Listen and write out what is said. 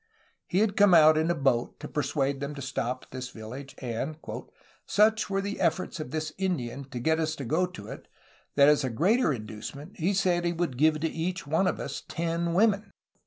He had come out in a boat to persuade them to stop at this village, and "such were the efforts of this Indian to get us to go to it that as a greater inducement he said he would give to each one of us ten women."